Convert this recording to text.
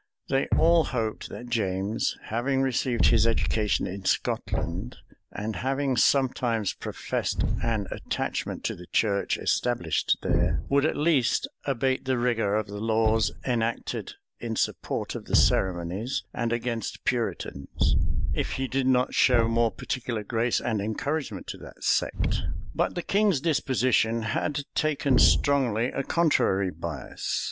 They all hoped that James, having received his education in Scotland, and having sometimes professed an attachment to the church established there, would at least abate the rigor of the laws enacted in support of the ceremonies, and against Puritans; if he did not show more particular grace and encouragement to that sect. But the king's disposition had taken strongly a contrary bias.